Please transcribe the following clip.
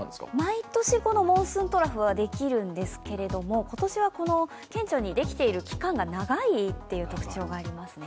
毎年このモンスーントラフはできるんですけれども、今年は顕著にできている期間が長いという特徴がありますね。